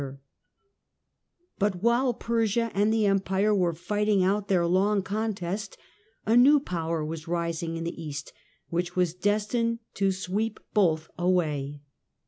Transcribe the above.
Birth and But while Persia and the Empire were fighting out Motiain 60 their long contest, a new power was rising in the east,j 620 d ' f ' 7 ° which was destined to sweep both away.